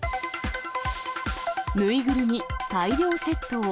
縫いぐるみ大量窃盗。